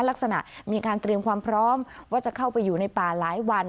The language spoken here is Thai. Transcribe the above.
ลักษณะมีการเตรียมความพร้อมว่าจะเข้าไปอยู่ในป่าหลายวัน